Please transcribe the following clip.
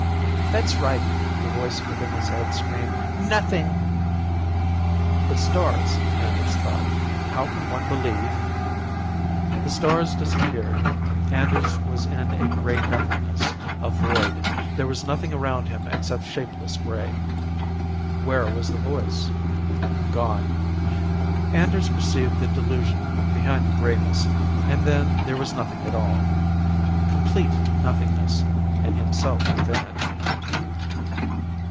"That's right!" the voice within his head screamed. "Nothing!" But stars, Anders thought. How can one believe The stars disappeared. Anders was in a gray nothingness, a void. There was nothing around him except shapeless gray. Where was the voice? Gone. Anders perceived the delusion behind the grayness, and then there was nothing at all. Complete nothingness, and himself within it.